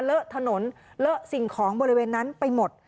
เลอะถนนเลอะสิ่งของบริเวณนั้นไปหมด